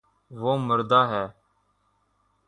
وہ مردا ہے